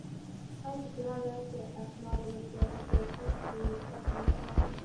ایا د کونړ ولایت د اسمار ولسوالۍ په سیند کې کب نیولی؟